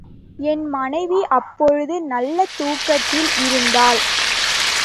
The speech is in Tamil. என் மனைவி அப்போது நல்ல தூக்கத்தில் இருந்தாள்.